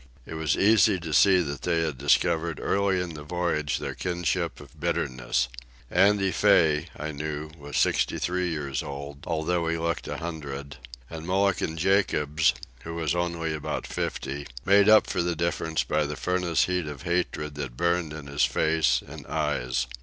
It was easy to see that they had discovered early in the voyage their kinship of bitterness. Andy Fay, I knew, was sixty three years old, although he looked a hundred; and Mulligan Jacobs, who was only about fifty, made up for the difference by the furnace heat of hatred that burned in his face and eyes.